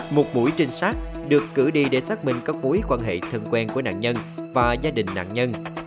một mũi trinh sát được cử đi để xác minh các mối quan hệ thân quen của nạn nhân và gia đình nạn nhân